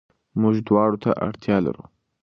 موږ دواړو ته اړتيا لرو.